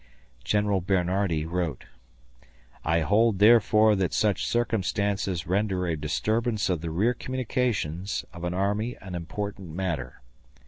General Bernhardi wrote: I hold therefore that such circumstances render a disturbance of the rear communications of an army an important matter.